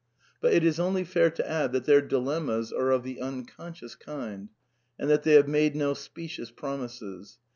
But it is only fair to add that their dilemmas are of the unconscious kind, and that they have made no specious promises.